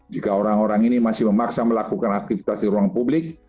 jika orang orang ini masih memaksa melakukan aktivitas di ruang publik